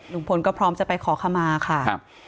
ลุงพลก็พร้อมจะไปขอขมาค่ะ